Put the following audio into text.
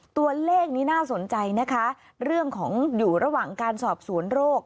ตัวเลขนี้น่าสนใจนะคะเรื่องของอยู่ระหว่างการสอบสวนโรค